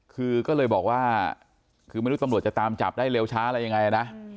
คือก็เลยบอกว่าคือไม่รู้ตำรวจจะตามจับได้เร็วช้าอะไรยังไงนะ